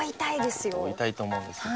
ここ痛いと思うんですよ。